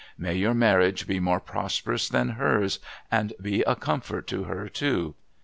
May your marriage be more prosperous than hers, and be a comfort to her too.